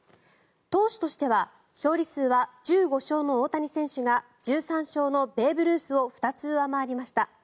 投手としては勝利数は１５勝の大谷選手が１３勝のベーブ・ルースを２つ上回りました。